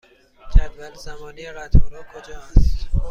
جدول زمانی قطارها کجا است؟